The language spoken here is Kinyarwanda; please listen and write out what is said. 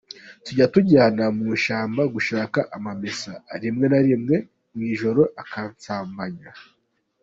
Tujya tujyana mu ishyamba gushaka amamesa, rimwe na rimwe mu ijoro akansambanya”.